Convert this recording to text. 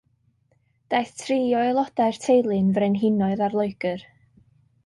Daeth tri o aelodau'r teulu'n frenhinoedd ar Loegr.